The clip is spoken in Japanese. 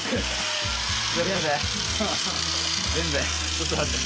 ちょっと待って。